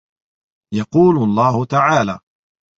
يَقُولُ اللَّهُ تَعَالَى